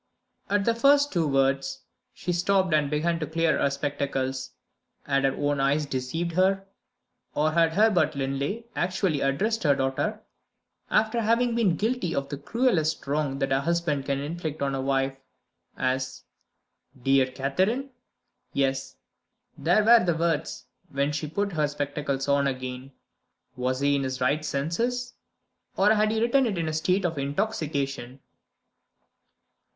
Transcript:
At the two first words, she stopped and began to clean her spectacles. Had her own eyes deceived her? Or had Herbert Linley actually addressed her daughter after having been guilty of the cruelest wrong that a husband can inflict on a wife as "Dear Catherine"? Yes: there were the words, when she put her spectacles on again. Was he in his right senses? or had he written in a state of intoxication?